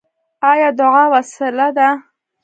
آیا دعا وسله ده؟